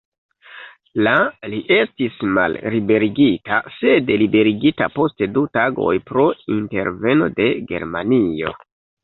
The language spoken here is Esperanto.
La li estis malliberigita, sed liberigita post du tagoj pro interveno de Germanio.